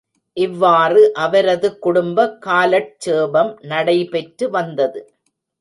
இவ்வாறு அவரது குடும்ப காலட்சேபம் நடைபெற்று வந்தது.